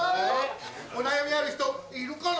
お悩みある人いるかな？